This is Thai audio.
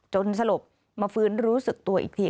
สลบมาฟื้นรู้สึกตัวอีกที